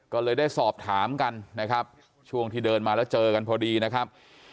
ก็เลยได้สอบถามกันนะครับช่วงที่เดินมาแล้วเจอกันพอดีนะครับ